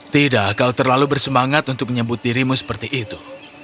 tidak kau terlalu bersemangat untuk menyebut dirimu seperti itu